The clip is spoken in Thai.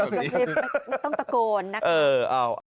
ต้องตะโกนนะ